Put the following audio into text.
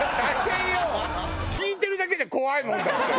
聞いてるだけで怖いもんだって。